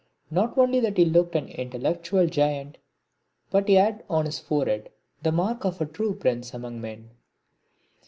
Not only that he looked an intellectual giant, but he had on his forehead the mark of a true prince among men.